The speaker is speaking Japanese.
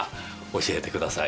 教えてください。